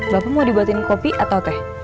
bapak mau dibuatin kopi atau teh